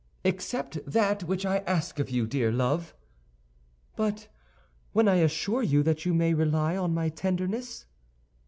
"Except that which I ask of you, dear love." "But when I assure you that you may rely on my tenderness?"